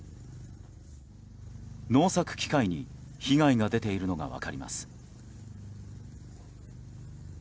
農作機械に被害が出ているのが分かります。